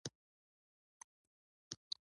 آیا دی د يوه مشروع حکمران په توګه حکومت کولای شي؟